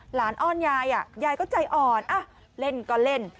อ้อนยายยายก็ใจอ่อนเล่นก็เล่น